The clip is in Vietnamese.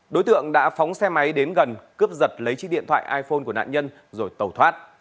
đối tượng đã phóng xe máy đến gần cướp giật lấy chiếc điện thoại iphone của nạn nhân rồi tẩu thoát